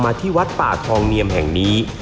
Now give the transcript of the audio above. ที่วัดป่าทองเนียมแห่งนี้